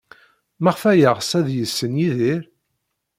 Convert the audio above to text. Maɣef ay yeɣs ad yessen Yidir?